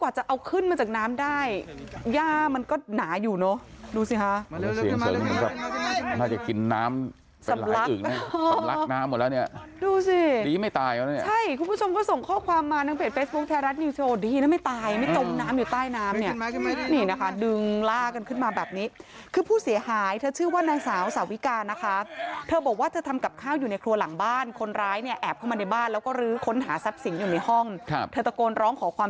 น่าจะกินน้ำสำหรับเป็นหลายอื่นนะสำรักน้ำหมดแล้วเนี้ยดูสิดีไม่ตายเหรอเนี้ยใช่คุณผู้ชมก็ส่งข้อความมาทางเพจเฟสโปร์กแทรสนิวโชว์ดีนะไม่ตายไม่ตรงน้ำอยู่ใต้น้ำเนี้ยเนี้ยนี่นะคะดึงล่ากันขึ้นมาแบบนี้คือผู้เสียหายเธอชื่อว่านายสาวสาวิกานะคะเธอบอก